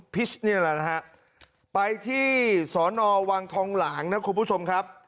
ไปที่สนวังทองหล่าครับคนผู้ชม